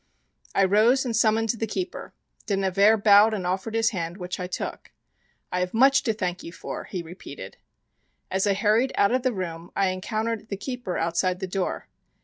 I rose and summoned the keeper. De Nevers bowed and offered his hand, which I took. "I have much to thank you for!" he repeated. As I hurried out of the room I encountered the keeper outside the door.